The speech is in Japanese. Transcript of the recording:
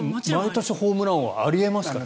毎年ホームラン王はありますからね。